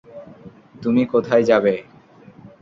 তুমি কোথায় যাবে?